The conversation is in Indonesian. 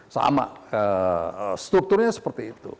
sama strukturnya seperti itu